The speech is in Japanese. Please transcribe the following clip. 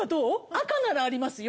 赤ならありますよ。